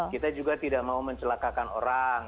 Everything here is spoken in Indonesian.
kita juga tidak mau mencelakakan orang